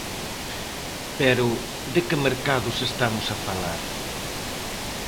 Pero, de que mercados estamos a falar?